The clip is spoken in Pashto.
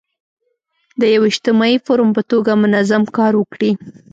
د یو اجتماعي فورم په توګه منظم کار وکړي.